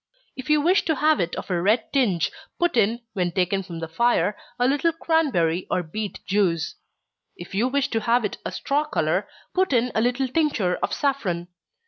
If you wish to have it of a red tinge, put in, when taken from the fire, a little cranberry or beet juice. If you wish to have it a straw color, put in a little tincture of saffron.